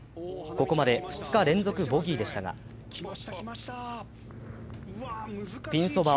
ここまで２日連続ボギーでしたがピンそば